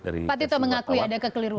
pak tito mengakui ada kekeliruan